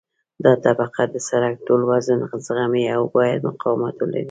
دا طبقه د سرک ټول وزن زغمي او باید مقاومت ولري